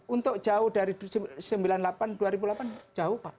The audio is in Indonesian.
untuk jauh dari sembilan puluh delapan dua ribu delapan jauh pak